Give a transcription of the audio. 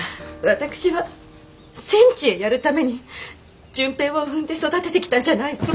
私は戦地へやるために純平を産んで育ててきたんじゃないわ。